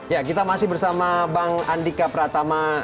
ya kita masih bersama bang andika pratama